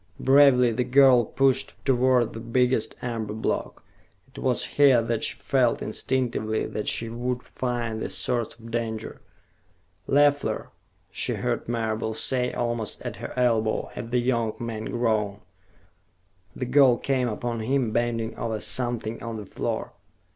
Bravely the girl pushed toward the biggest amber block. It was here that she felt instinctively that she would find the source of danger. "Leffler!" she heard Marable say, almost at her elbow, and the young man groaned. The girl came upon him, bending over something on the floor.